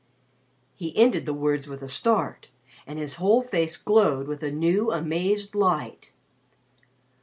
He ended the words with a start, and his whole face glowed with a new, amazed light.